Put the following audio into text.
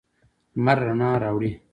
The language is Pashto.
لمر رڼا راوړي.